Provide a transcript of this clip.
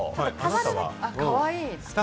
かわいい！